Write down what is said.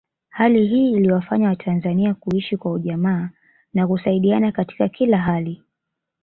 Hali hii iliwafanya watanzania kuishi kwa ujamaa na kusaidiana katika kila hali